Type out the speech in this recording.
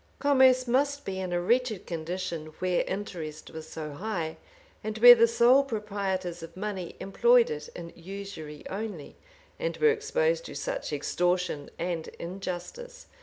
[] Commerce must be in a wretched condition where interest was so high, and where the sole proprietors of money employed it in usury only, and were exposed to such extortion and injustice.